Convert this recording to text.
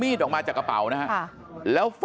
มันต้องการมาหาเรื่องมันจะมาแทงนะ